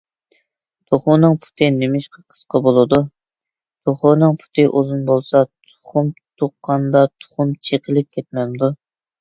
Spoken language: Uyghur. _ توخۇنىڭ پۇتى نېمىشقا قىسقا بولىدۇ؟ _ توخۇنىڭ پۇتى ئۇزۇن بولسا، تۇخۇم تۇغقاندا تۇخۇم چېقىلىپ كەتمەمدۇ؟